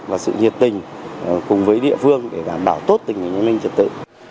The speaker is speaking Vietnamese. và sự nhiệt tình cùng với địa phương để bảo tốt tình an ninh trả tự